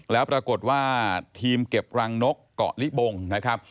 แล้วปรากฏว่าทีมเก็บรังนกเกาะลิบงนะครับ